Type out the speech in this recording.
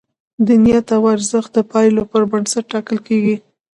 د نیت ارزښت د پایلو پر بنسټ ټاکل کېږي.